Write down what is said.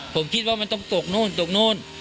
ผมคิดว่ามันต้องตกนู่นตกนู่น